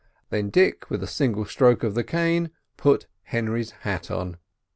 Then Dick with a single stroke of the cane put Henry's hat on.